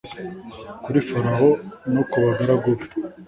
kuri Farawo no ku bagaragu be